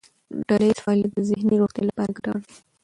ډلهییز فعالیت د ذهني روغتیا لپاره ګټور دی.